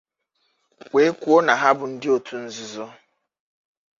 wee kwuo na ha bụ ndị otu nzuzo